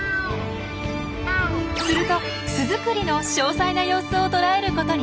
すると巣作りの詳細な様子をとらえることに成功！